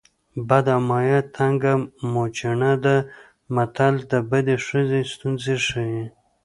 بده ماینه تنګه موچڼه ده متل د بدې ښځې ستونزې ښيي